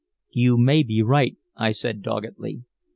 "You may be right," I said doggedly.